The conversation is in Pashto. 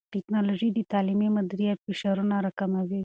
ټیکنالوژي د تعلیمي مدیریت فشارونه راکموي.